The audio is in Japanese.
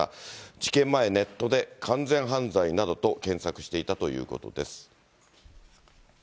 事件前、ネットで完全犯罪などと検索していたということです。